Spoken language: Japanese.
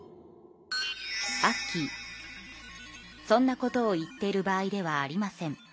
アッキーそんなことを言っている場合ではありません。です。